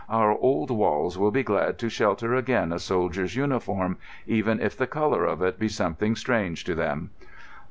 Our old walls will be glad to shelter again a soldier's uniform, even if the colour of it be something strange to them."